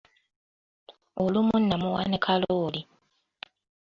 Olumu namuwa ne kalooli.